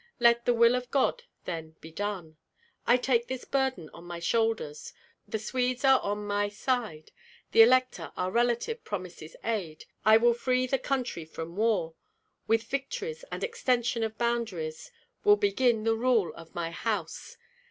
Let the will of God, then, be done! I take this burden on my shoulders. The Swedes are on my aide; the elector, our relative, promises aid. I will free the country from war! With victories and extension of boundaries will begin the rule of my house.